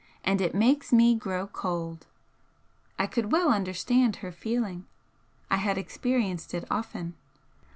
And it makes me grow cold!" I could well understand her feeling. I had experienced it often.